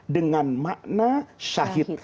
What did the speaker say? dengan makna syahid